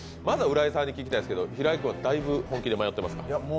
まずは浦井さんに聞きたいんですふけど、平井君はだいぶ本気で迷ってますか？